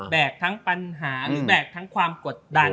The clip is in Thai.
แบกทั้งปัญหาแบกทั้งความกดดัน